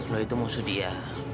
lo itu musuh dia